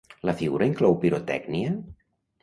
La figura inclou pirotècnia?